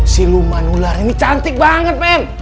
si luman ular ini cantik banget men